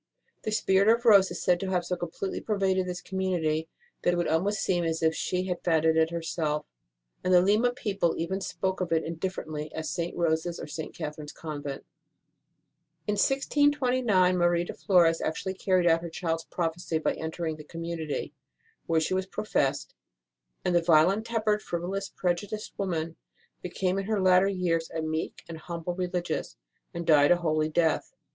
The spirit of Rose is said to have so completely pervaded this community that it would almost seem as if she had founded it her self, and the Lima people even spoke of it indifferently as St. Rose s or St. Catherine s Convent. In 1629 Marie de Flores actually carried out her child s prophecy by entering the community, where she was professed ; and the violent tempered, frivolous, prejudiced woman became in her latter years a meek and humble Religious, and died a holy death.